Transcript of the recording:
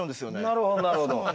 なるほどなるほど。